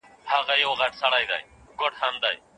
خیر محمد به هیڅکله خپله مېړانه او عزت خرڅ نه کړي.